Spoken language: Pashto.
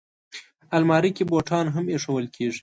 الماري کې بوټان هم ایښودل کېږي